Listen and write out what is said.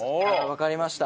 わかりました。